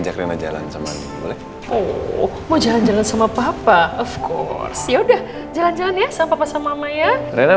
jalan jalan sama papa of course ya udah jalan jalan ya sama sama sama ya